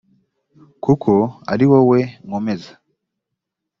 kuko ari wowe nkomeza